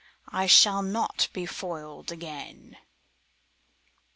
I shall not be foiled again!"